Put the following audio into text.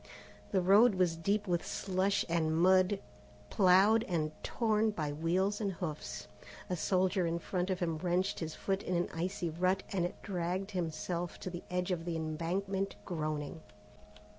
The road was deep with slush and mud ploughed and torn by wheels and hoofs. A soldier in front of him wrenched his foot in an icy rut and dragged himself to the edge of the embankment groaning.